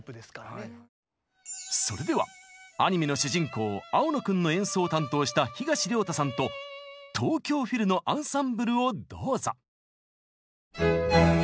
それではアニメの主人公青野君の演奏を担当した東亮汰さんと東京フィルのアンサンブルをどうぞ！